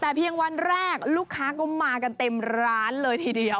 แต่เพียงวันแรกลูกค้าก็มากันเต็มร้านเลยทีเดียว